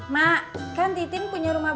mak kan titin punya rumahnya